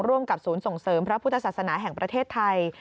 ร่วมกับศูนย์ส่งเสริมพระพุทธศาสนาแห่งประเทศไทย